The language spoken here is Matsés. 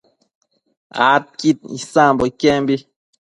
adquid isambo iquembi